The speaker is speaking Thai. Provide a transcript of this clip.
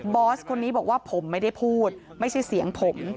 อสคนนี้บอกว่าผมไม่ได้พูดไม่ใช่เสียงผม